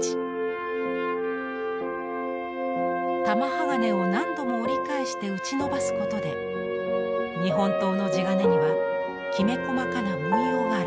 玉鋼を何度も折り返して打ちのばすことで日本刀の地金にはきめ細かな文様が現れます。